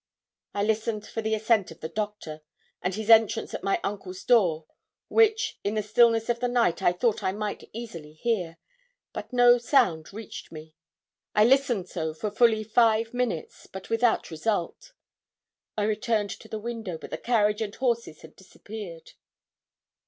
I listened for the ascent of the doctor, and his entrance at my uncle's door, which, in the stillness of the night, I thought I might easily hear, but no sound reached me. I listened so for fully five minutes, but without result. I returned to the window, but the carriage and horses had disappeared.